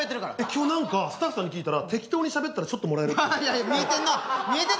今日何かスタッフさんに聞いたら適当にしゃべったらちょっともらえるって。